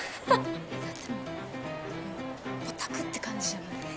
だってもうオタクって感じじゃない？